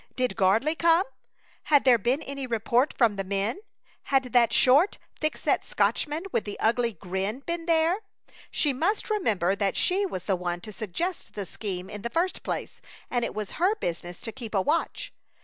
Did Gardley come? Had there been any report from the men? Had that short, thick set Scotchman with the ugly grin been there? She must remember that she was the one to suggest the scheme in the first place, and it was her business to keep a watch.